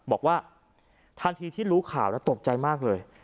บอกว่าทันทีที่รู้ข่าวแล้วตกใจมากเลย